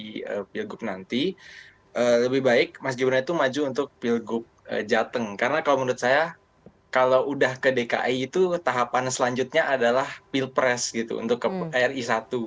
di pilgub nanti lebih baik mas gibran itu maju untuk pilgub jateng karena kalau menurut saya kalau udah ke dki itu tahapan selanjutnya adalah pilpres gitu untuk ri satu